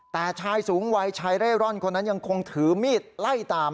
แต่ชายสูงวัยชายเร่ร่อนคนนั้นยังคงถือมีดไล่ตาม